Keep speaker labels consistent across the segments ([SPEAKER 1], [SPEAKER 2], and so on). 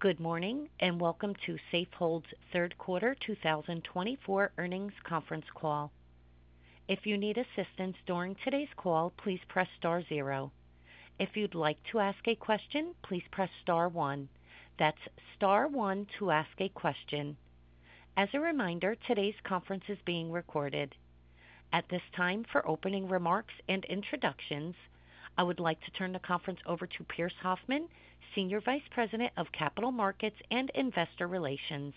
[SPEAKER 1] Good morning and welcome to Safehold's third quarter 2024 earnings conference call. If you need assistance during today's call, please press star zero. If you'd like to ask a question, please press star one. That's star one to ask a question. As a reminder, today's conference is being recorded. At this time, for opening remarks and introductions, I would like to turn the conference over to Pearce Hoffman, Senior Vice President of Capital Markets and Investor Relations.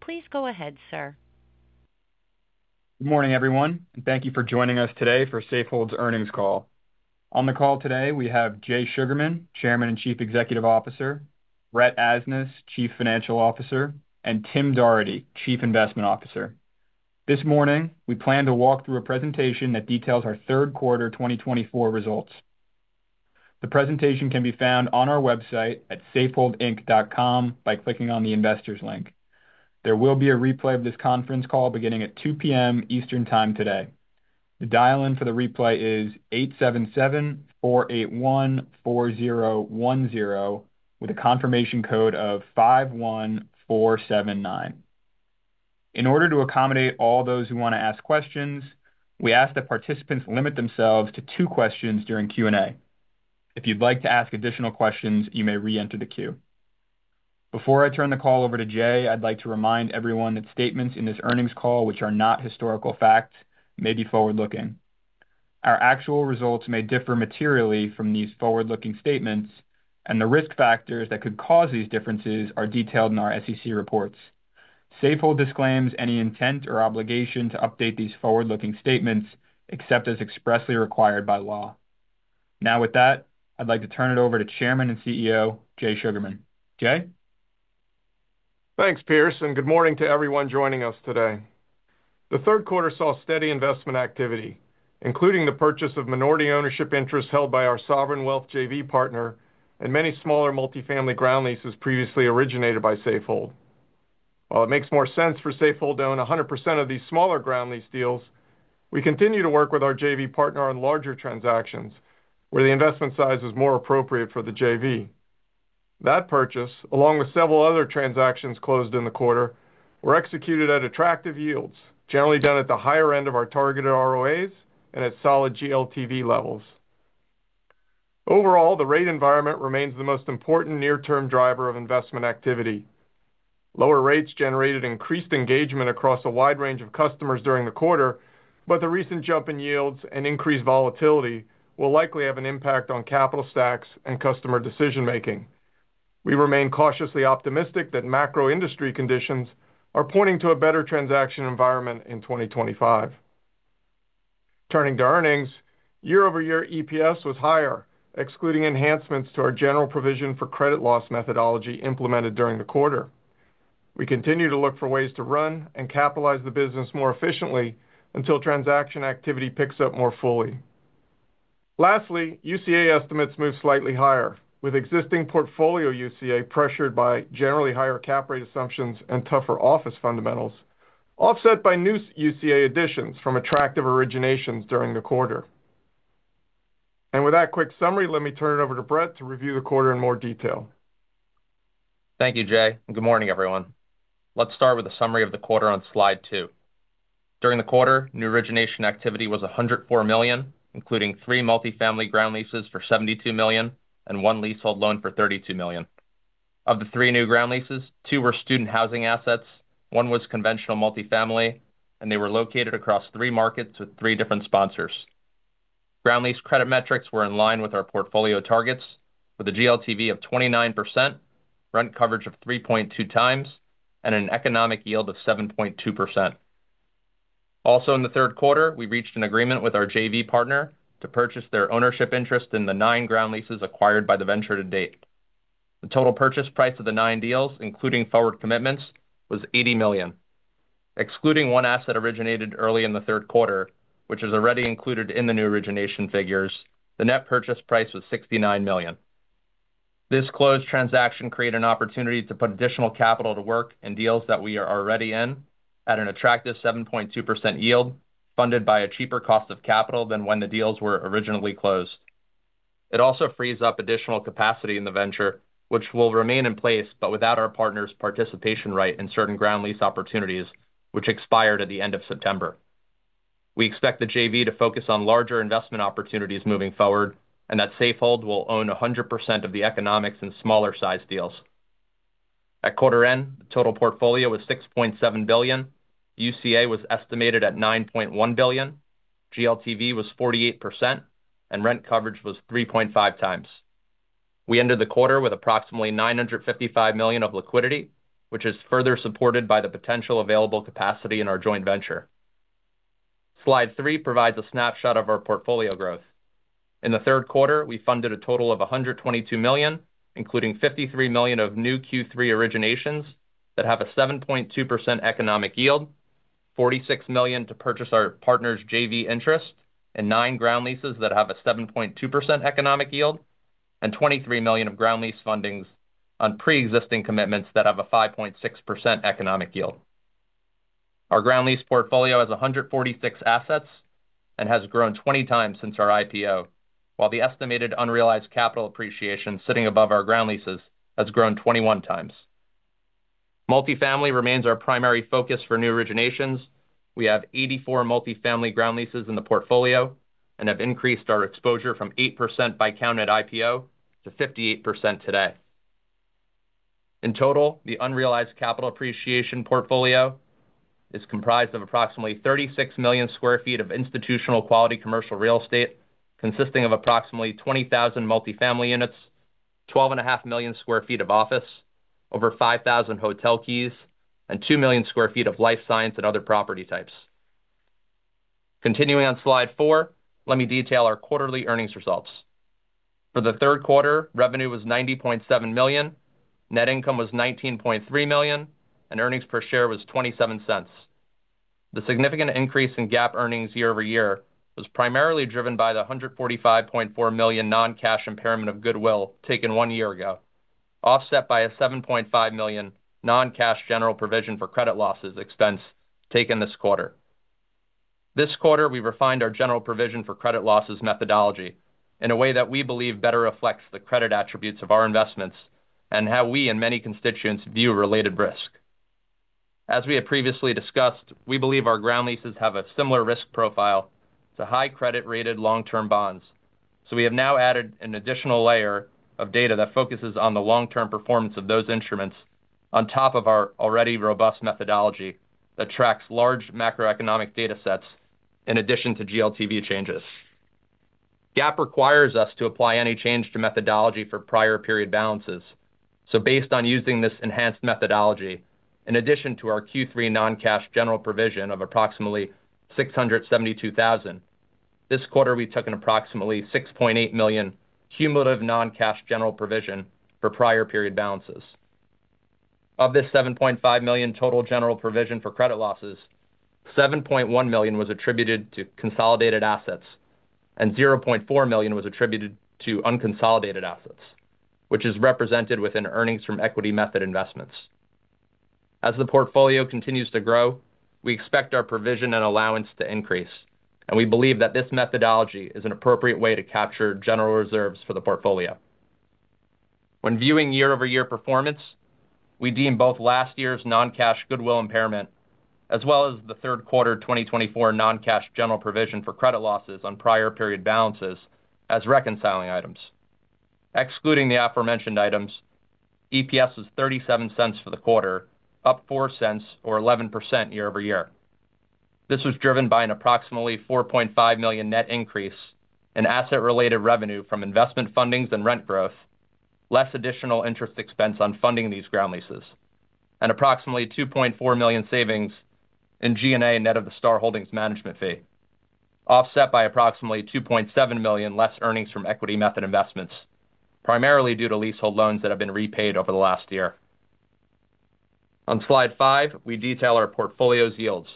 [SPEAKER 1] Please go ahead, sir.
[SPEAKER 2] Good morning, everyone, and thank you for joining us today for Safehold's earnings call. On the call today, we have Jay Sugarman, Chairman and Chief Executive Officer, Brett Asnas, Chief Financial Officer, and Tim Doherty, Chief Investment Officer. This morning, we plan to walk through a presentation that details our third quarter 2024 results. The presentation can be found on our website at safeholdinc.com by clicking on the investors link. There will be a replay of this conference call beginning at 2:00 P.M. Eastern Time today. The dial-in for the replay is 877-481-4010 with a confirmation code of 51479. In order to accommodate all those who want to ask questions, we ask that participants limit themselves to two questions during Q&A. If you'd like to ask additional questions, you may re-enter the queue. Before I turn the call over to Jay, I'd like to remind everyone that statements in this earnings call, which are not historical facts, may be forward-looking. Our actual results may differ materially from these forward-looking statements, and the risk factors that could cause these differences are detailed in our SEC reports. Safehold disclaims any intent or obligation to update these forward-looking statements except as expressly required by law. Now, with that, I'd like to turn it over to Chairman and CEO Jay Sugarman. Jay?
[SPEAKER 3] Thanks, Pearce, and good morning to everyone joining us today. The third quarter saw steady investment activity, including the purchase of minority ownership interests held by our sovereign wealth JV partner and many smaller multifamily ground leases previously originated by Safehold. While it makes more sense for Safehold to own 100% of these smaller ground lease deals, we continue to work with our JV partner on larger transactions where the investment size is more appropriate for the JV. That purchase, along with several other transactions closed in the quarter, were executed at attractive yields, generally done at the higher end of our targeted ROAs and at solid GLTV levels. Overall, the rate environment remains the most important near-term driver of investment activity. Lower rates generated increased engagement across a wide range of customers during the quarter, but the recent jump in yields and increased volatility will likely have an impact on capital stacks and customer decision-making. We remain cautiously optimistic that macro industry conditions are pointing to a better transaction environment in 2025. Turning to earnings, year-over-year EPS was higher, excluding enhancements to our general provision for credit loss methodology implemented during the quarter. We continue to look for ways to run and capitalize the business more efficiently until transaction activity picks up more fully. Lastly, UCA estimates moved slightly higher, with existing portfolio UCA pressured by generally higher cap rate assumptions and tougher office fundamentals, offset by new UCA additions from attractive originations during the quarter. And with that quick summary, let me turn it over to Brett to review the quarter in more detail.
[SPEAKER 4] Thank you, Jay. Good morning, everyone. Let's start with a summary of the quarter on slide two. During the quarter, new origination activity was $104 million, including three multifamily ground leases for $72 million and one leasehold loan for $32 million. Of the three new ground leases, two were student housing assets, one was conventional multifamily, and they were located across three markets with three different sponsors. Ground lease credit metrics were in line with our portfolio targets, with a GLTV of 29%, rent coverage of 3.2 times, and an economic yield of 7.2%. Also, in the third quarter, we reached an agreement with our JV partner to purchase their ownership interest in the nine ground leases acquired by the venture to date. The total purchase price of the nine deals, including forward commitments, was $80 million. Excluding one asset originated early in the third quarter, which is already included in the new origination figures, the net purchase price was $69 million. This closed transaction created an opportunity to put additional capital to work in deals that we are already in at an attractive 7.2% yield, funded by a cheaper cost of capital than when the deals were originally closed. It also frees up additional capacity in the venture, which will remain in place but without our partner's participation right in certain ground lease opportunities, which expired at the end of September. We expect the JV to focus on larger investment opportunities moving forward and that Safehold will own 100% of the economics in smaller size deals. At quarter end, the total portfolio was $6.7 billion, UCA was estimated at $9.1 billion, GLTV was 48%, and rent coverage was 3.5x. We ended the quarter with approximately $955 million of liquidity, which is further supported by the potential available capacity in our joint venture. Slide three provides a snapshot of our portfolio growth. In the third quarter, we funded a total of $122 million, including $53 million of new Q3 originations that have a 7.2% economic yield, $46 million to purchase our partner's JV interest in nine ground leases that have a 7.2% economic yield, and $23 million of ground lease fundings on pre-existing commitments that have a 5.6% economic yield. Our ground lease portfolio has 146 assets and has grown 20x since our IPO, while the estimated unrealized capital appreciation sitting above our ground leases has grown 21x. Multifamily remains our primary focus for new originations. We have 84 multifamily ground leases in the portfolio and have increased our exposure from 8% by count at IPO to 58% today. In total, the unrealized capital appreciation portfolio is comprised of approximately 36 million sq ft of institutional quality commercial real estate, consisting of approximately 20,000 multifamily units, 12.5 million sq ft of office, over 5,000 hotel keys, and 2 million sq ft of life science and other property types. Continuing on slide four, let me detail our quarterly earnings results. For the third quarter, revenue was $90.7 million, net income was $19.3 million, and earnings per share was $0.27. The significant increase in GAAP earnings year-over-year was primarily driven by the $145.4 million non-cash impairment of goodwill taken one year ago, offset by a $7.5 million non-cash general provision for credit losses expense taken this quarter. This quarter, we refined our general provision for credit losses methodology in a way that we believe better reflects the credit attributes of our investments and how we and many constituents view related risk. As we have previously discussed, we believe our ground leases have a similar risk profile to high credit-rated long-term bonds, so we have now added an additional layer of data that focuses on the long-term performance of those instruments on top of our already robust methodology that tracks large macroeconomic data sets in addition to GLTV changes. GAAP requires us to apply any change to methodology for prior period balances, so based on using this enhanced methodology, in addition to our Q3 non-cash general provision of approximately $672,000, this quarter we took an approximately $6.8 million cumulative non-cash general provision for prior period balances. Of this $7.5 million total general provision for credit losses, $7.1 million was attributed to consolidated assets and $0.4 million was attributed to unconsolidated assets, which is represented within earnings from equity method investments. As the portfolio continues to grow, we expect our provision and allowance to increase, and we believe that this methodology is an appropriate way to capture general reserves for the portfolio. When viewing year-over-year performance, we deem both last year's non-cash goodwill impairment as well as the third quarter 2024 non-cash general provision for credit losses on prior period balances as reconciling items. Excluding the aforementioned items, EPS was $0.37 for the quarter, up $0.04 or 11% year-over-year. This was driven by an approximately $4.5 million net increase in asset-related revenue from investment fundings and rent growth, less additional interest expense on funding these ground leases, and approximately $2.4 million savings in G&A net of the Star Holdings management fee, offset by approximately $2.7 million less earnings from equity method investments, primarily due to leasehold loans that have been repaid over the last year. On slide five, we detail our portfolio's yields.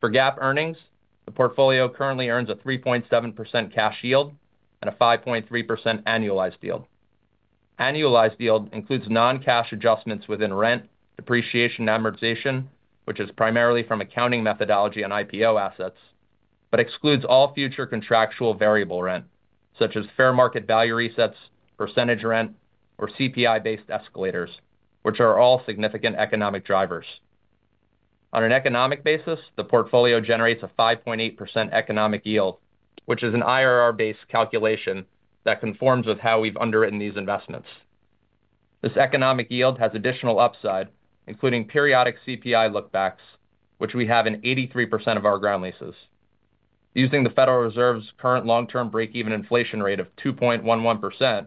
[SPEAKER 4] For GAAP earnings, the portfolio currently earns a 3.7% cash yield and a 5.3% annualized yield. Annualized yield includes non-cash adjustments within rent, depreciation, and amortization, which is primarily from accounting methodology on IPO assets, but excludes all future contractual variable rent, such as fair market value resets, percentage rent, or CPI-based escalators, which are all significant economic drivers. On an economic basis, the portfolio generates a 5.8% economic yield, which is an IRR-based calculation that conforms with how we've underwritten these investments. This economic yield has additional upside, including periodic CPI lookbacks, which we have in 83% of our ground leases. Using the Federal Reserve's current long-term break-even inflation rate of 2.11%,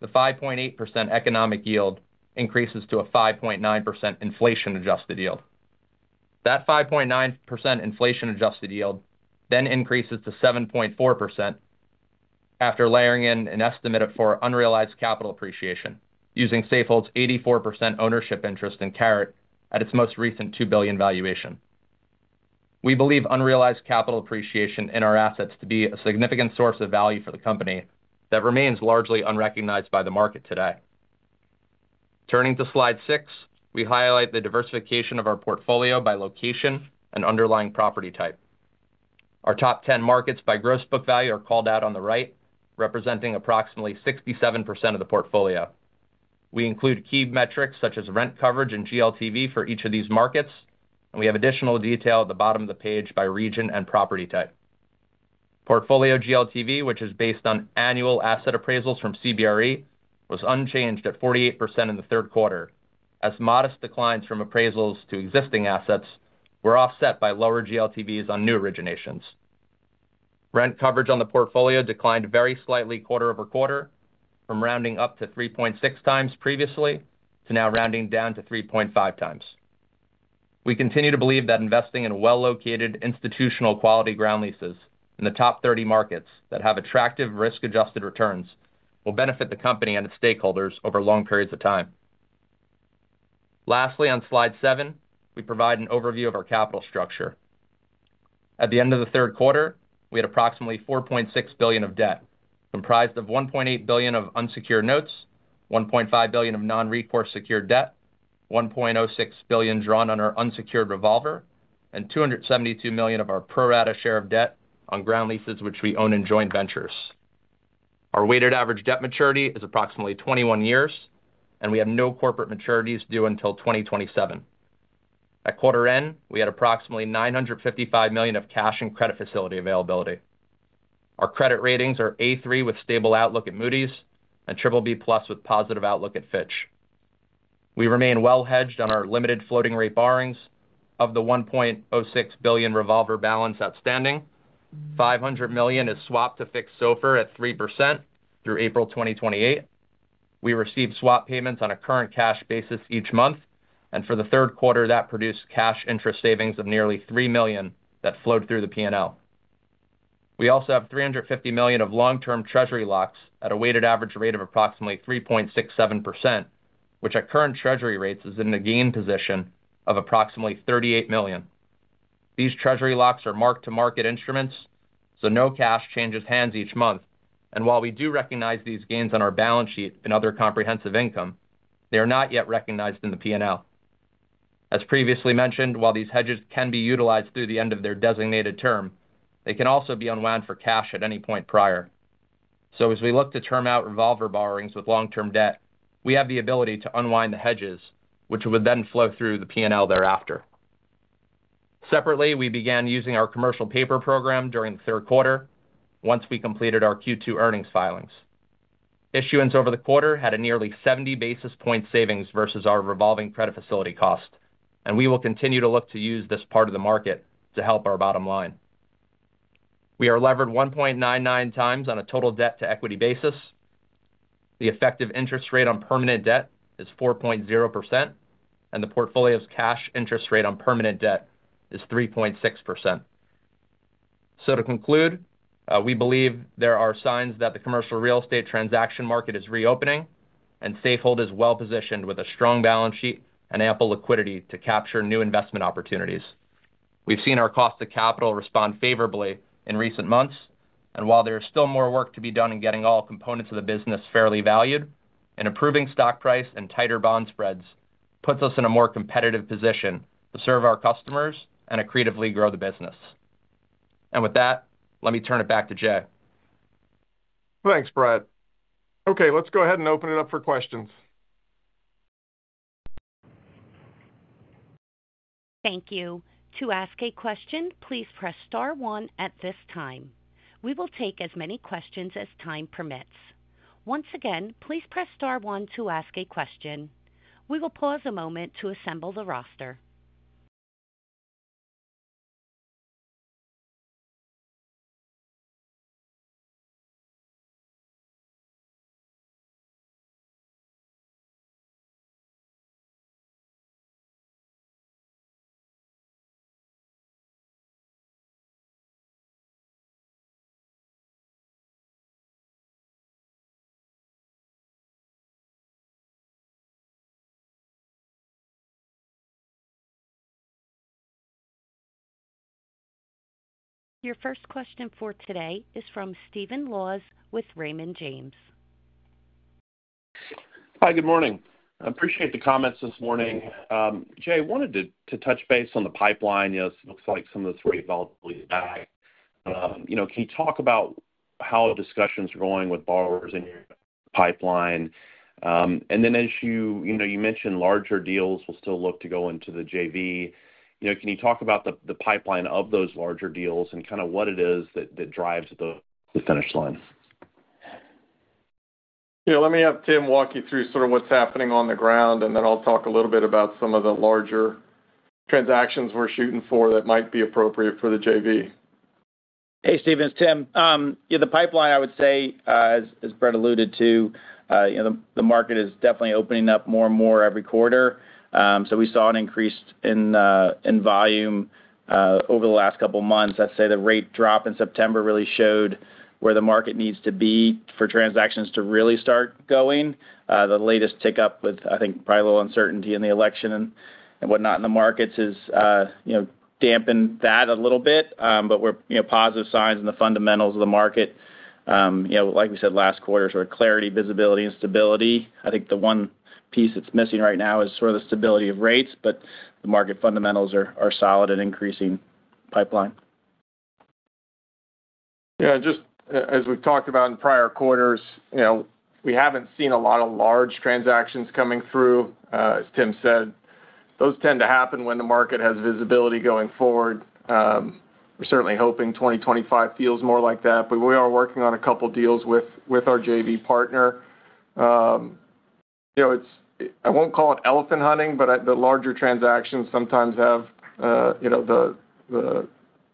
[SPEAKER 4] the 5.8% economic yield increases to a 5.9% inflation-adjusted yield. That 5.9% inflation-adjusted yield then increases to 7.4% after layering in an estimate for unrealized capital appreciation using Safehold's 84% ownership interest in Caret at its most recent $2 billion valuation. We believe unrealized capital appreciation in our assets to be a significant source of value for the company that remains largely unrecognized by the market today. Turning to slide six, we highlight the diversification of our portfolio by location and underlying property type. Our top 10 markets by gross book value are called out on the right, representing approximately 67% of the portfolio. We include key metrics such as rent coverage and GLTV for each of these markets, and we have additional detail at the bottom of the page by region and property type. Portfolio GLTV, which is based on annual asset appraisals from CBRE, was unchanged at 48% in the third quarter, as modest declines from appraisals to existing assets were offset by lower GLTVs on new originations. Rent coverage on the portfolio declined very slightly quarter over quarter, from rounding up to 3.6x previously to now rounding down to 3.5x. We continue to believe that investing in well-located institutional quality ground leases in the top 30 markets that have attractive risk-adjusted returns will benefit the company and its stakeholders over long periods of time. Lastly, on slide seven, we provide an overview of our capital structure. At the end of the third quarter, we had approximately $4.6 billion of debt, comprised of $1.8 billion of unsecured notes, $1.5 billion of non-recourse secured debt, $1.06 billion drawn on our unsecured revolver, and $272 million of our pro-rata share of debt on ground leases, which we own in joint ventures. Our weighted average debt maturity is approximately 21 years, and we have no corporate maturities due until 2027. At quarter end, we had approximately $955 million of cash and credit facility availability. Our credit ratings are A3 with stable outlook at Moody's and BBB+ with positive outlook at Fitch. We remain well-hedged on our limited floating rate borrowings. Of the $1.06 billion revolver balance outstanding, $500 million is swapped to fixed SOFR at 3% through April 2028. We receive swap payments on a current cash basis each month, and for the third quarter, that produced cash interest savings of nearly $3 million that flowed through the P&L. We also have $350 million of long-term treasury locks at a weighted average rate of approximately 3.67%, which at current treasury rates is in the gain position of approximately $38 million. These treasury locks are marked to market instruments, so no cash changes hands each month, and while we do recognize these gains on our balance sheet and other comprehensive income, they are not yet recognized in the P&L. As previously mentioned, while these hedges can be utilized through the end of their designated term, they can also be unwound for cash at any point prior. As we look to term out revolver borrowings with long-term debt, we have the ability to unwind the hedges, which would then flow through the P&L thereafter. Separately, we began using our commercial paper program during the third quarter once we completed our Q2 earnings filings. Issuance over the quarter had a nearly 70 basis point savings versus our revolving credit facility cost, and we will continue to look to use this part of the market to help our bottom line. We are levered 1.99x on a total debt-to-equity basis. The effective interest rate on permanent debt is 4.0%, and the portfolio's cash interest rate on permanent debt is 3.6%. To conclude, we believe there are signs that the commercial real estate transaction market is reopening, and Safehold is well-positioned with a strong balance sheet and ample liquidity to capture new investment opportunities. We've seen our cost of capital respond favorably in recent months, and while there is still more work to be done in getting all components of the business fairly valued, an improving stock price and tighter bond spreads puts us in a more competitive position to serve our customers and accretively grow the business. And with that, let me turn it back to Jay.
[SPEAKER 3] Thanks, Brett. Okay, let's go ahead and open it up for questions.
[SPEAKER 1] Thank you. To ask a question, please press star one at this time. We will take as many questions as time permits. Once again, please press star one to ask a question. We will pause a moment to assemble the roster. Your first question for today is from Stephen Laws with Raymond James.
[SPEAKER 5] Hi, good morning. I appreciate the comments this morning. Jay, I wanted to touch base on the pipeline. It looks like some of the volatility's back. Can you talk about how discussions are going with borrowers in your pipeline? And then, as you mentioned, larger deals will still look to go into the JV. Can you talk about the pipeline of those larger deals and kind of what it is that drives the finish line?
[SPEAKER 3] Yeah, let me have Tim walk you through sort of what's happening on the ground, and then I'll talk a little bit about some of the larger transactions we're shooting for that might be appropriate for the JV.
[SPEAKER 6] Hey, Stephen. It's Tim. The pipeline, I would say, as Brett alluded to, the market is definitely opening up more and more every quarter. So, we saw an increase in volume over the last couple of months. I'd say the rate drop in September really showed where the market needs to be for transactions to really start going. The latest tick up with, I think, probably a little uncertainty in the election and whatnot in the markets is dampened that a little bit, but we're positive signs in the fundamentals of the market. Like we said, last quarter, sort of clarity, visibility, and stability. I think the one piece that's missing right now is sort of the stability of rates, but the market fundamentals are solid and increasing pipeline.
[SPEAKER 3] Yeah, just as we've talked about in prior quarters, we haven't seen a lot of large transactions coming through, as Tim said. Those tend to happen when the market has visibility going forward. We're certainly hoping 2025 feels more like that, but we are working on a couple of deals with our JV partner. I won't call it elephant hunting, but the larger transactions sometimes have the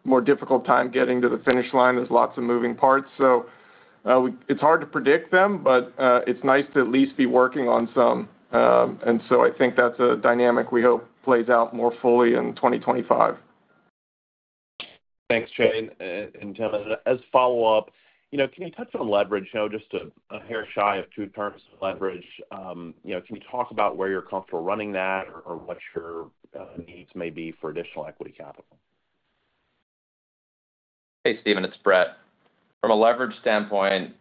[SPEAKER 3] more difficult time getting to the finish line. There's lots of moving parts, so it's hard to predict them, but it's nice to at least be working on some. And so, I think that's a dynamic we hope plays out more fully in 2025.
[SPEAKER 5] Thanks, Jay and Tim. As a follow-up, can you touch on leverage? Just a hair shy of two turns of leverage. Can you talk about where you're comfortable running that or what your needs may be for additional equity capital?
[SPEAKER 4] Hey, Stephen, it's Brett. From a leverage standpoint,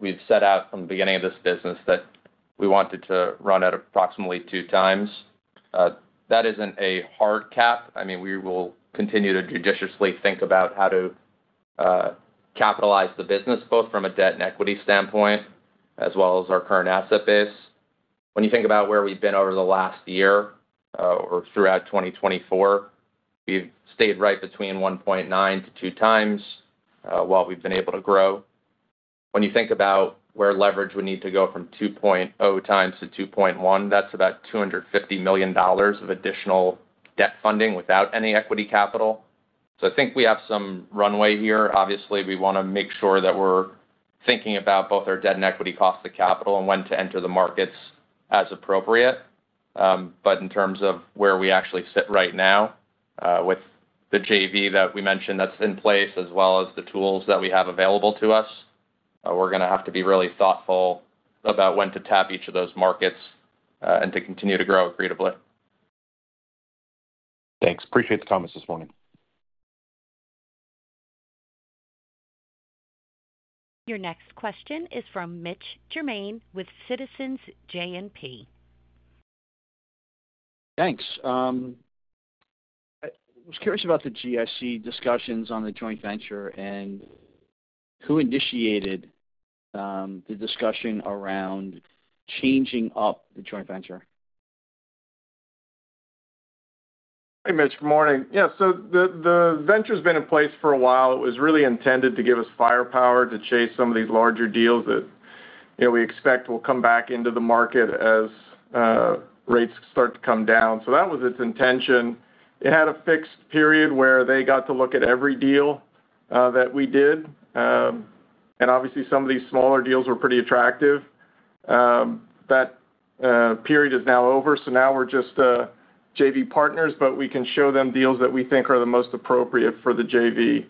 [SPEAKER 4] we've set out from the beginning of this business that we wanted to run at approximately two times. That isn't a hard cap. I mean, we will continue to judiciously think about how to capitalize the business both from a debt and equity standpoint as well as our current asset base. When you think about where we've been over the last year or throughout 2024, we've stayed right between 1.9x-2.0x while we've been able to grow. When you think about where leverage would need to go from 2.0x-2.1x, that's about $250 million of additional debt funding without any equity capital. So, I think we have some runway here. Obviously, we want to make sure that we're thinking about both our debt and equity cost of capital and when to enter the markets as appropriate. But in terms of where we actually sit right now with the JV that we mentioned that's in place as well as the tools that we have available to us, we're going to have to be really thoughtful about when to tap each of those markets and to continue to grow accretively.
[SPEAKER 5] Thanks. Appreciate the comments this morning.
[SPEAKER 1] Your next question is from Mitch Germain with Citizens JMP.
[SPEAKER 7] Thanks. I was curious about the GIC discussions on the joint venture and who initiated the discussion around changing up the joint venture.
[SPEAKER 3] Hey, Mitch, good morning. Yeah, so the venture has been in place for a while. It was really intended to give us firepower to chase some of these larger deals that we expect will come back into the market as rates start to come down. So, that was its intention. It had a fixed period where they got to look at every deal that we did. And obviously, some of these smaller deals were pretty attractive. That period is now over. So, now we're just JV partners, but we can show them deals that we think are the most appropriate for the JV.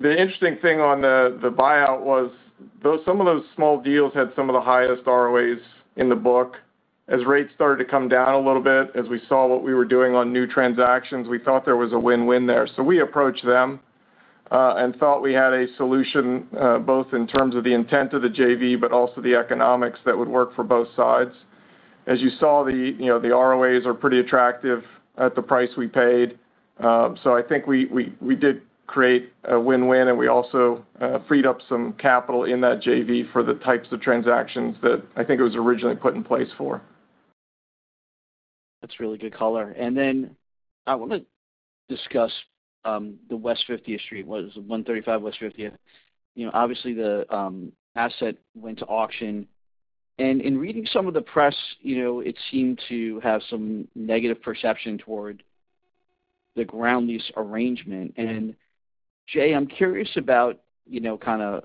[SPEAKER 3] The interesting thing on the buyout was some of those small deals had some of the highest ROAs in the book. As rates started to come down a little bit, as we saw what we were doing on new transactions, we thought there was a win-win there. So, we approached them and thought we had a solution both in terms of the intent of the JV but also the economics that would work for both sides. As you saw, the ROAs are pretty attractive at the price we paid. So, I think we did create a win-win, and we also freed up some capital in that JV for the types of transactions that I think it was originally put in place for.
[SPEAKER 7] That's really good color. And then I want to discuss the West 50th Street, what is it, 135 West 50th Street. Obviously, the asset went to auction. And in reading some of the press, it seemed to have some negative perception toward the ground lease arrangement. And Jay, I'm curious about kind of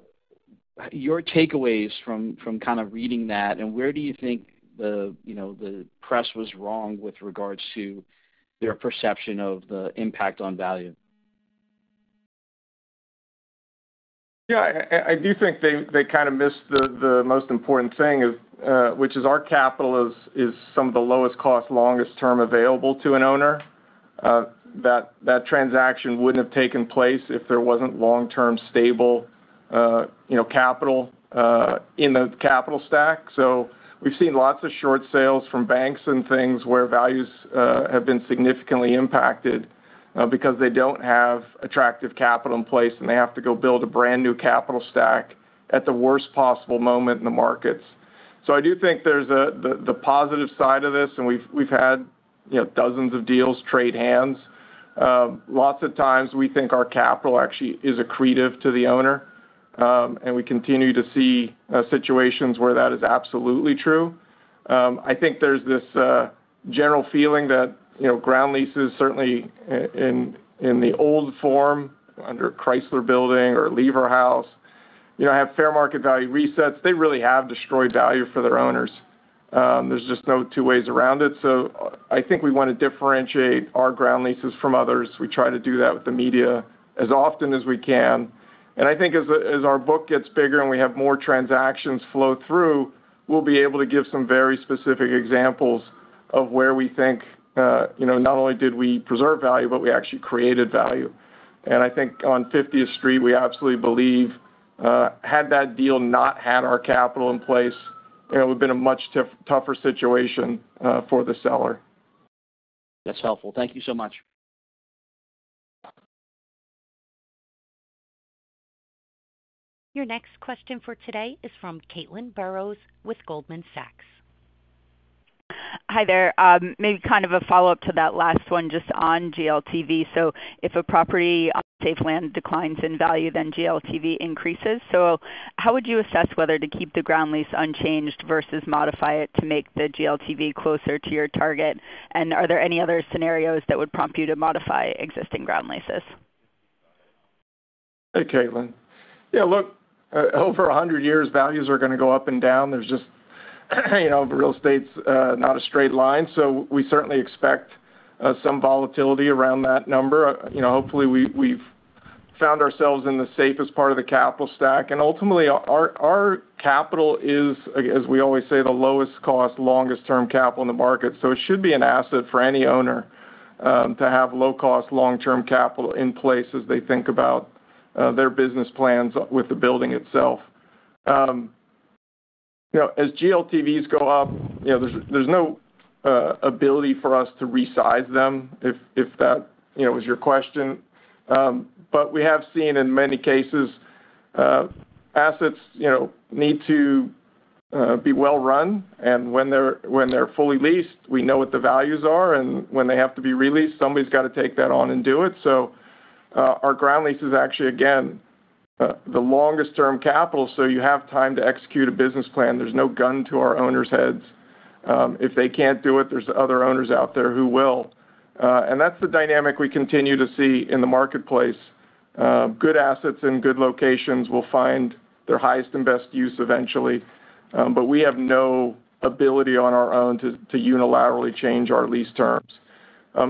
[SPEAKER 7] your takeaways from kind of reading that, and where do you think the press was wrong with regards to their perception of the impact on value?
[SPEAKER 3] Yeah, I do think they kind of missed the most important thing, which is our capital is some of the lowest cost, longest term available to an owner. That transaction wouldn't have taken place if there wasn't long-term stable capital in the capital stack. So, we've seen lots of short sales from banks and things where values have been significantly impacted because they don't have attractive capital in place, and they have to go build a brand-new capital stack at the worst possible moment in the markets. So, I do think there's the positive side of this, and we've had dozens of deals trade hands. Lots of times, we think our capital actually is accretive to the owner, and we continue to see situations where that is absolutely true. I think there's this general feeling that ground leases, certainly in the old form under Chrysler Building or Lever House, have fair market value resets. They really have destroyed value for their owners. There's just no two ways around it. So, I think we want to differentiate our ground leases from others. We try to do that with the media as often as we can. And I think as our book gets bigger and we have more transactions flow through, we'll be able to give some very specific examples of where we think not only did we preserve value, but we actually created value. And I think on 50th Street, we absolutely believe had that deal not had our capital in place, it would have been a much tougher situation for the seller.
[SPEAKER 7] That's helpful. Thank you so much.
[SPEAKER 1] Your next question for today is from Caitlin Burrows with Goldman Sachs.
[SPEAKER 8] Hi there. Maybe kind of a follow-up to that last one just on GLTV. So, if a property on Safehold declines in value, then GLTV increases. So, how would you assess whether to keep the ground lease unchanged versus modify it to make the GLTV closer to your target? And are there any other scenarios that would prompt you to modify existing ground leases?
[SPEAKER 3] Hey, Caitlin. Yeah, look, over 100 years, values are going to go up and down. There's just real estate's not a straight line. So, we certainly expect some volatility around that number. Hopefully, we've found ourselves in the safest part of the capital stack. And ultimately, our capital is, as we always say, the lowest cost, longest term capital in the market. So, it should be an asset for any owner to have low-cost, long-term capital in place as they think about their business plans with the building itself. As GLTVs go up, there's no ability for us to resize them if that was your question. But we have seen in many cases assets need to be well-run, and when they're fully leased, we know what the values are, and when they have to be re-leased, somebody's got to take that on and do it. So, our ground lease is actually, again, the longest-term capital, so you have time to execute a business plan. There's no gun to our owners' heads. If they can't do it, there's other owners out there who will. And that's the dynamic we continue to see in the marketplace. Good assets in good locations will find their highest and best use eventually, but we have no ability on our own to unilaterally change our lease terms.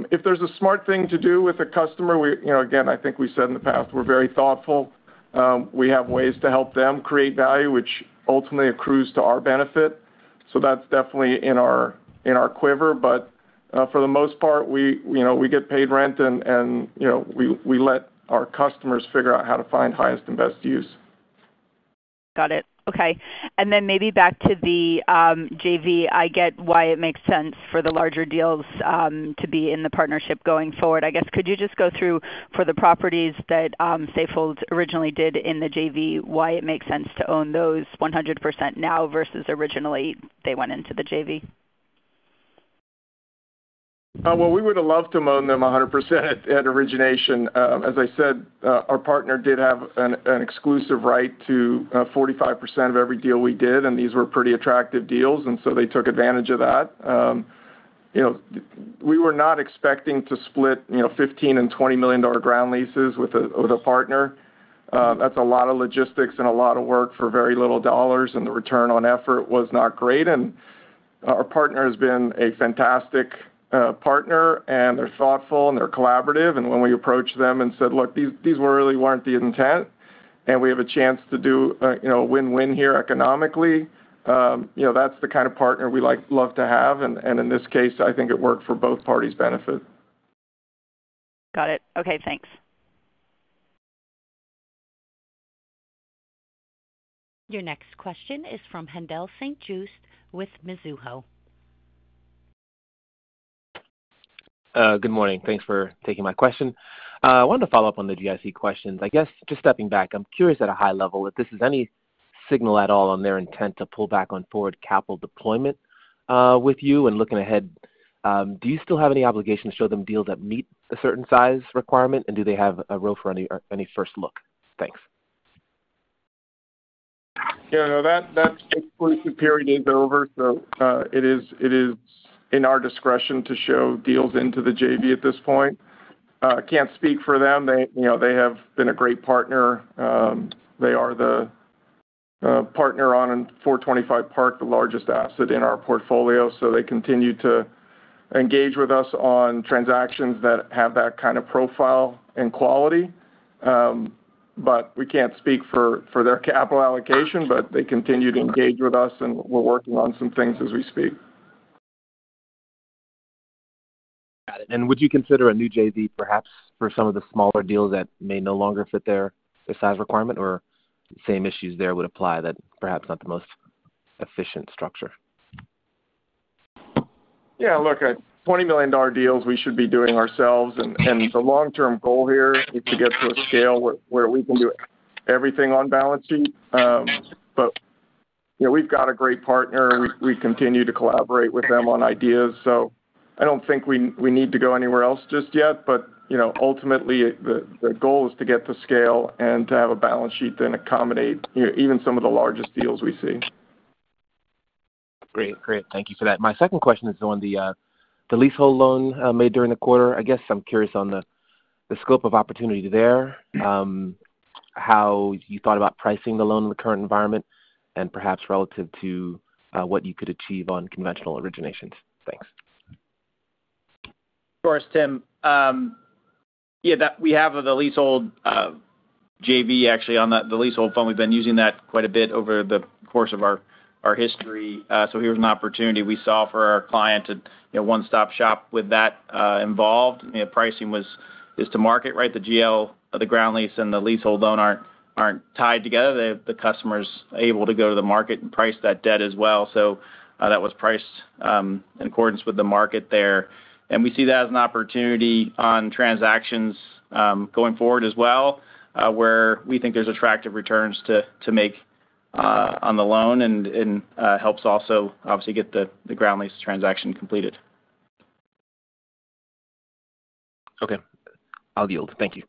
[SPEAKER 3] If there's a smart thing to do with a customer, again, I think we said in the past, we're very thoughtful. We have ways to help them create value, which ultimately accrues to our benefit. So, that's definitely in our quiver. But for the most part, we get paid rent, and we let our customers figure out how to find highest and best use.
[SPEAKER 8] Got it. Okay. And then maybe back to the JV, I get why it makes sense for the larger deals to be in the partnership going forward. I guess, could you just go through for the properties that Safehold originally did in the JV, why it makes sense to own those 100% now versus originally they went into the JV?
[SPEAKER 3] Well, we would have loved to have owned them 100% at origination. As I said, our partner did have an exclusive right to 45% of every deal we did, and these were pretty attractive deals, and so they took advantage of that. We were not expecting to split $15 million and $20 million ground leases with a partner. That's a lot of logistics and a lot of work for very little dollars, and the return on effort was not great. And our partner has been a fantastic partner, and they're thoughtful, and they're collaborative. And when we approached them and said, "Look, these really weren't the intent, and we have a chance to do a win-win here economically," that's the kind of partner we love to have. And in this case, I think it worked for both parties' benefit.
[SPEAKER 8] Got it. Okay, thanks.
[SPEAKER 1] Your next question is from Haendel St. Juste with Mizuho.
[SPEAKER 9] Good morning. Thanks for taking my question. I wanted to follow up on the GIC questions. I guess just stepping back, I'm curious at a high level if this is any signal at all on their intent to pull back on forward capital deployment with you and looking ahead. Do you still have any obligation to show them deals that meet a certain size requirement, and do they have a right for any first look? Thanks.
[SPEAKER 3] Yeah, no, that exclusive period is over. So, it is in our discretion to show deals into the JV at this point. I can't speak for them. They have been a great partner. They are the partner on 425 Park, the largest asset in our portfolio. So, they continue to engage with us on transactions that have that kind of profile and quality. But we can't speak for their capital allocation, but they continue to engage with us, and we're working on some things as we speak.
[SPEAKER 9] Got it. And would you consider a new JV perhaps for some of the smaller deals that may no longer fit their size requirement, or same issues there would apply that perhaps not the most efficient structure?
[SPEAKER 3] Yeah, look, at $20 million deals, we should be doing ourselves. And the long-term goal here is to get to a scale where we can do everything on balance sheet. But we've got a great partner. We continue to collaborate with them on ideas. So, I don't think we need to go anywhere else just yet. But ultimately, the goal is to get to scale and to have a balance sheet that accommodates even some of the largest deals we see.
[SPEAKER 9] Great. Great. Thank you for that. My second question is on the leasehold loan made during the quarter. I guess I'm curious on the scope of opportunity there, how you thought about pricing the loan in the current environment, and perhaps relative to what you could achieve on conventional originations. Thanks.
[SPEAKER 6] Of course, Tim. Yeah, we have the leasehold JV actually on the leasehold fund. We've been using that quite a bit over the course of our history. So, here's an opportunity we saw for our client, a one-stop shop with that involved. Pricing is to market, right? The GL, the ground lease, and the leasehold loan aren't tied together. The customer's able to go to the market and price that debt as well. So, that was priced in accordance with the market there. And we see that as an opportunity on transactions going forward as well, where we think there's attractive returns to make on the loan and helps also, obviously, get the ground lease transaction completed.
[SPEAKER 9] Okay. I'll yield. Thank you.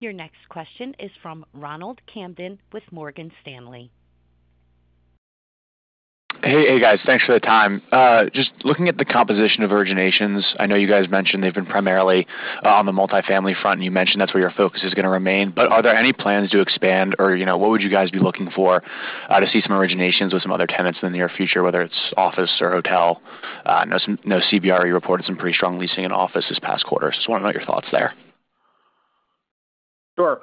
[SPEAKER 1] Your next question is from Ronald Kamdem with Morgan Stanley.
[SPEAKER 10] Hey, hey guys. Thanks for the time. Just looking at the composition of originations, I know you guys mentioned they've been primarily on the multifamily front, and you mentioned that's where your focus is going to remain. But are there any plans to expand, or what would you guys be looking for to see some originations with some other tenants in the near future, whether it's office or hotel? I know CBRE reported some pretty strong leasing in office this past quarter. Just want to know your thoughts there.
[SPEAKER 6] Sure.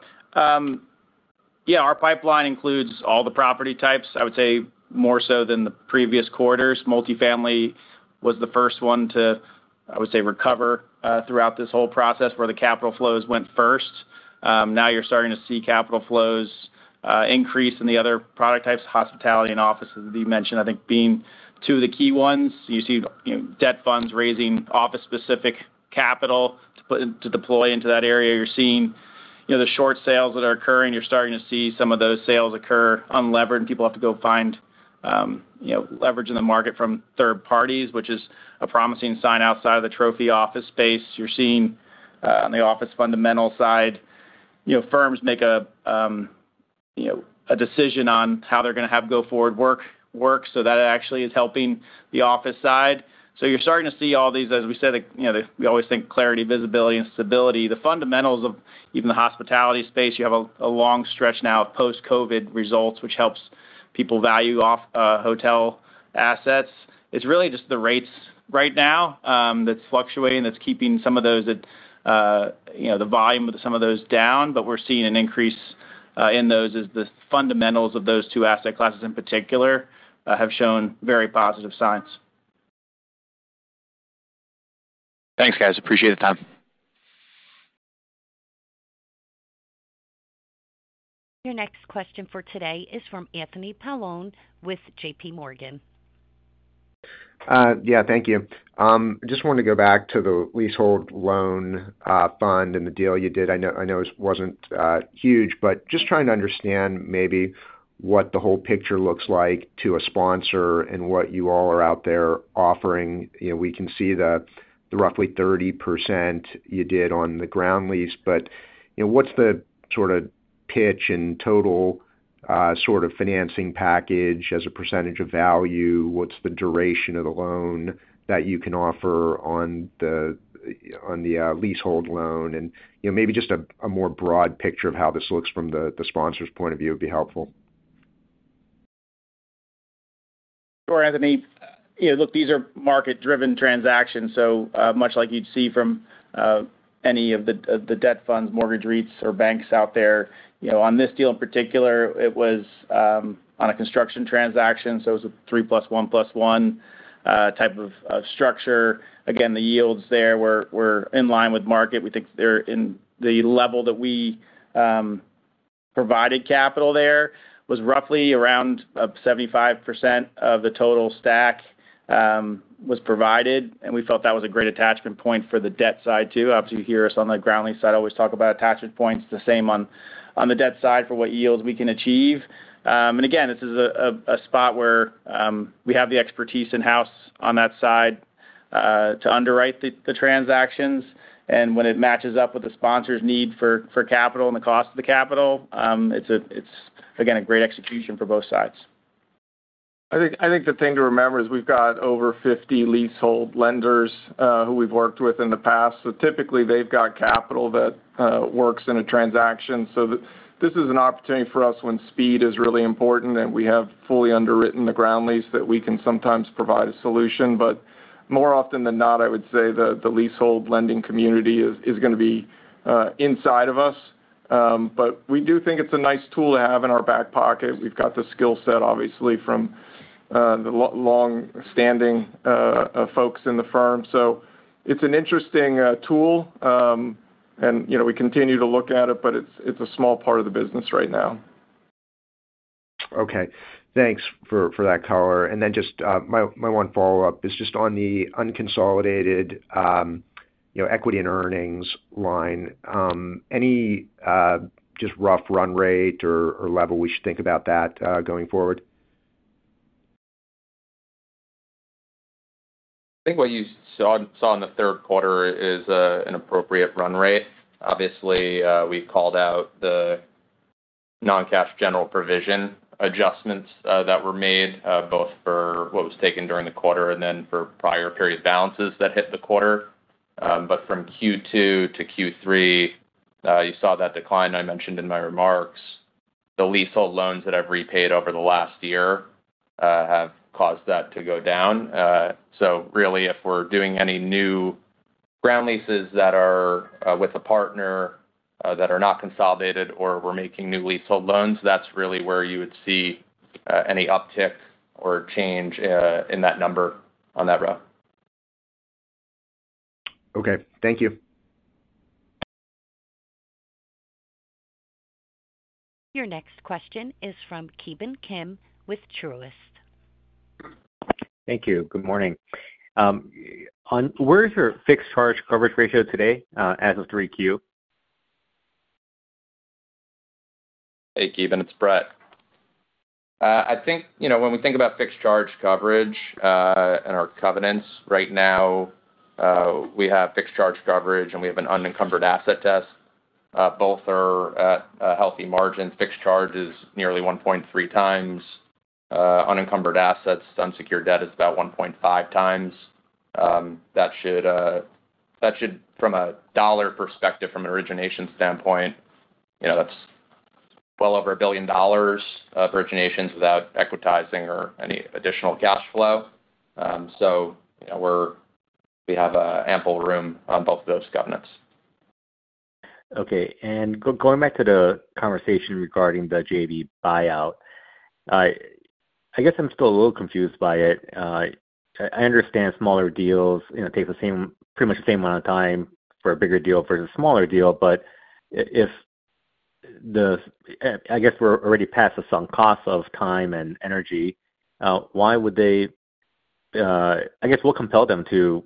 [SPEAKER 6] Yeah, our pipeline includes all the property types, I would say, more so than the previous quarters. Multifamily was the first one to, I would say, recover throughout this whole process where the capital flows went first. Now you're starting to see capital flows increase in the other product types, hospitality and offices, as you mentioned, I think being two of the key ones. You see debt funds raising office-specific capital to deploy into that area. You're seeing the short sales that are occurring. You're starting to see some of those sales occur unlevered, and people have to go find leverage in the market from third parties, which is a promising sign outside of the trophy office space. You're seeing on the office fundamental side, firms make a decision on how they're going to have go-forward work so that it actually is helping the office side. So, you're starting to see all these, as we said, we always think clarity, visibility, and stability. The fundamentals of even the hospitality space, you have a long stretch now of post-COVID results, which helps people value hotel assets. It's really just the rates right now that's fluctuating, that's keeping some of those at the volume of some of those down. But we're seeing an increase in those as the fundamentals of those two asset classes in particular have shown very positive signs.
[SPEAKER 10] Thanks, guys. Appreciate the time.
[SPEAKER 1] Your next question for today is from Anthony Paolone with JPMorgan.
[SPEAKER 11] Yeah, thank you. Just wanted to go back to the leasehold loan fund and the deal you did. I know it wasn't huge, but just trying to understand maybe what the whole picture looks like to a sponsor and what you all are out there offering. We can see the roughly 30% you did on the ground lease, but what's the sort of pitch and total sort of financing package as a percentage of value? What's the duration of the loan that you can offer on the leasehold loan? Maybe just a more broad picture of how this looks from the sponsor's point of view would be helpful.
[SPEAKER 6] Sure, Anthony. Look, these are market-driven transactions. So, much like you'd see from any of the debt funds, mortgage REITs, or banks out there. On this deal in particular, it was on a construction transaction. So, it was a 3+1+1 type of structure. Again, the yields there were in line with market. We think they're in the level that we provided capital there was roughly around 75% of the total stack was provided. And we felt that was a great attachment point for the debt side too. Obviously, you hear us on the ground lease side. I always talk about attachment points. The same on the debt side for what yields we can achieve. Again, this is a spot where we have the expertise in-house on that side to underwrite the transactions. When it matches up with the sponsor's need for capital and the cost of the capital, it's, again, a great execution for both sides.
[SPEAKER 3] I think the thing to remember is we've got over 50 leasehold lenders who we've worked with in the past. Typically, they've got capital that works in a transaction. This is an opportunity for us when speed is really important and we have fully underwritten the ground lease that we can sometimes provide a solution. More often than not, I would say the leasehold lending community is going to be inside of us. We do think it's a nice tool to have in our back pocket. We've got the skill set, obviously, from the long-standing folks in the firm. It's an interesting tool. And we continue to look at it, but it's a small part of the business right now.
[SPEAKER 11] Okay. Thanks for that color. And then just my one follow-up is just on the unconsolidated equity and earnings line. Any just rough run rate or level we should think about that going forward?
[SPEAKER 4] I think what you saw in the third quarter is an appropriate run rate. Obviously, we called out the non-cash general provision adjustments that were made both for what was taken during the quarter and then for prior period balances that hit the quarter. But from Q2 to Q3, you saw that decline I mentioned in my remarks. The leasehold loans that I've repaid over the last year have caused that to go down. So, really, if we're doing any new ground leases that are with a partner that are not consolidated or we're making new leasehold loans, that's really where you would see any uptick or change in that number on that row.
[SPEAKER 11] Okay. Thank you.
[SPEAKER 1] Your next question is from Ki Bin Kim with Truist.
[SPEAKER 12] Thank you. Good morning. Where is your fixed charge coverage ratio today as of 3Q?
[SPEAKER 4] Hey, Ki Bin. It's Brett. I think when we think about fixed charge coverage and our covenants, right now we have fixed charge coverage and we have an unencumbered asset test. Both are at healthy margins. Fixed charge is nearly 1.3x. Unencumbered assets, unsecured debt is about 1.5x. That should, from a dollar perspective, from an origination standpoint, that's well over $1 billion of originations without equitizing or any additional cash flow. So, we have ample room on both of those covenants.
[SPEAKER 12] Okay. And going back to the conversation regarding the JV buyout, I guess I'm still a little confused by it. I understand smaller deals take pretty much the same amount of time for a bigger deal versus a smaller deal. But I guess we're already past the sunk cost of time and energy. Why would they? I guess what compelled them to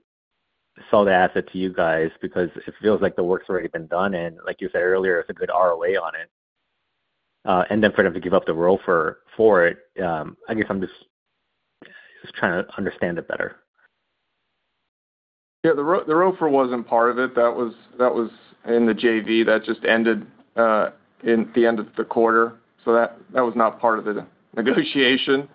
[SPEAKER 12] sell the asset to you guys? Because it feels like the work's already been done, and like you said earlier, it's a good ROA on it. And then for them to give up the ROFR for it, I guess I'm just trying to understand it better.
[SPEAKER 3] Yeah, the ROFR wasn't part of it. That was in the JV. That just ended at the end of the quarter. So, that was not part of the negotiation.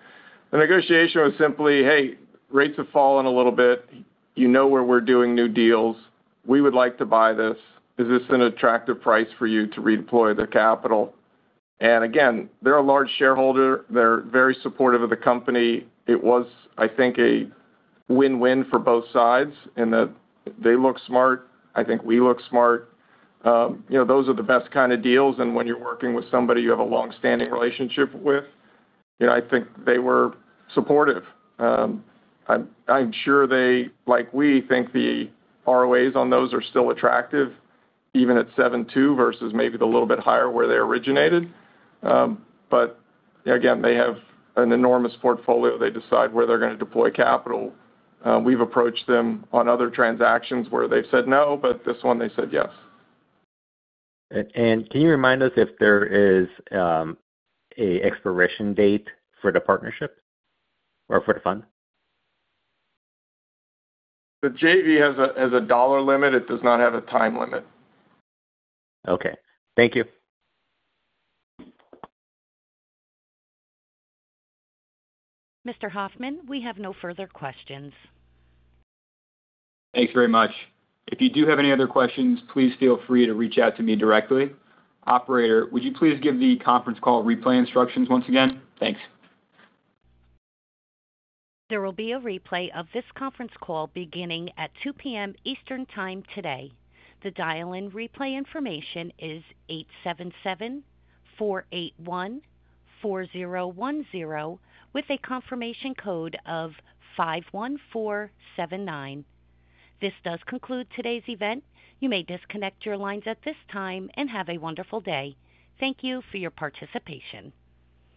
[SPEAKER 3] The negotiation was simply, "Hey, rates have fallen a little bit. You know where we're doing new deals. We would like to buy this. Is this an attractive price for you to redeploy the capital?" And again, they're a large shareholder. They're very supportive of the company. It was, I think, a win-win for both sides in that they look smart. I think we look smart. Those are the best kind of deals. And when you're working with somebody you have a long-standing relationship with, I think they were supportive. I'm sure they, like we, think the ROAs on those are still attractive, even at 7.2% versus maybe the little bit higher where they originated. But again, they have an enormous portfolio. They decide where they're going to deploy capital. We've approached them on other transactions where they've said no, but this one they said yes.
[SPEAKER 12] And can you remind us if there is an expiration date for the partnership or for the fund?
[SPEAKER 3] The JV has a dollar limit. It does not have a time limit.
[SPEAKER 12] Okay. Thank you.
[SPEAKER 1] Mr. Hoffman, we have no further questions.
[SPEAKER 2] Thanks very much. If you do have any other questions, please feel free to reach out to me directly. Operator, would you please give the conference call replay instructions once again? Thanks.
[SPEAKER 1] There will be a replay of this conference call beginning at 2:00 P.M. Eastern Time today. The dial-in replay information is 877-481-4010 with a confirmation code of 51479. This does conclude today's event. You may disconnect your lines at this time and have a wonderful day. Thank you for your participation.